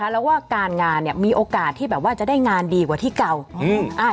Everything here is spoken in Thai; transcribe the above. แล้วว่าการงานมีโอกาสที่แบบว่าจะได้งานดีกว่าที่เก่า